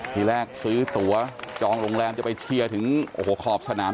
ทีแรกซื้อตัวจองโรงแรมจะไปเชียร์ถึงโอ้โหขอบสนาม